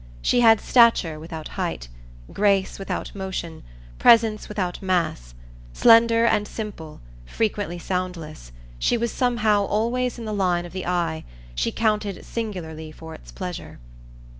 She had stature without height, grace without motion, presence without mass. Slender and simple, frequently soundless, she was somehow always in the line of the eye she counted singularly for its pleasure.